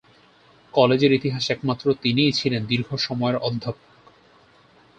কলেজের ইতিহাসে একমাত্র তিনিই ছিলেন দীর্ঘ সময়ের অধ্যাপক।